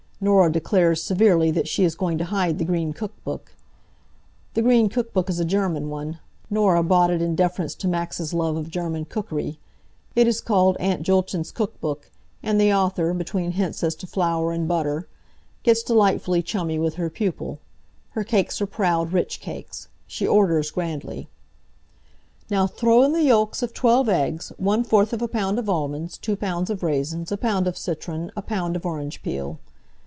Norah declares, severely, that she is going to hide the Green Cook Book. The Green Cook Book is a German one. Norah bought it in deference to Max's love of German cookery. It is called Aunt Julchen's cook book, and the author, between hints as to flour and butter, gets delightfully chummy with her pupil. Her cakes are proud, rich cakes. She orders grandly: "Now throw in the yolks of twelve eggs; one fourth of a pound of almonds; two pounds of raisins; a pound of citron; a pound of orange peel."